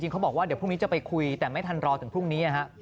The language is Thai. เขาบอกว่าเดี๋ยวพรุ่งนี้จะไปคุยแต่ไม่ทันรอถึงพรุ่งนี้